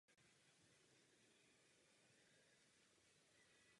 Tyto stroje pak v armádě převládaly až do konce osmdesátých let.